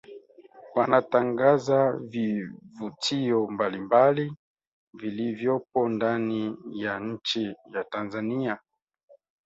Wanatangaza vivutio mbalimbali vilivyopo ndani ya nchi ya Tanzania